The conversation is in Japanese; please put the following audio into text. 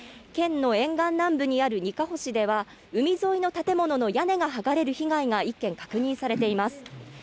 県の沿岸南部にあるにかほ市では、海沿いの建物の屋根が剥がれる被害が１件確認されています。